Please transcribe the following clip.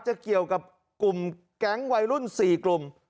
จะเกี่ยวกับกลุ่มแก๊งวัยรุ่น๔กลุ่ม